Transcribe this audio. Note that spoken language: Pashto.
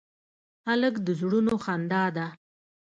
هلک د زړونو خندا ده.